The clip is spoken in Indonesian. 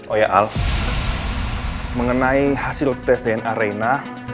oh ya al mengenai hasil tes dna reina